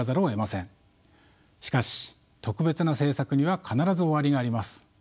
しかし特別な政策には必ず終わりがあります。